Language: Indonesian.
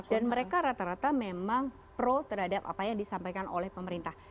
mereka rata rata memang pro terhadap apa yang disampaikan oleh pemerintah